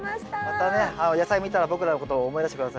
またね野菜を見たら僕らのことを思い出して下さい。